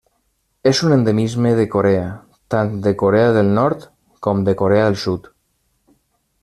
És un endemisme de Corea, tant de Corea del Nord com de Corea del Sud.